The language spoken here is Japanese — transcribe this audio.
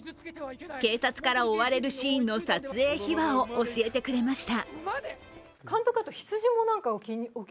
警察から追われるシーンの撮影秘話を教えてくれました。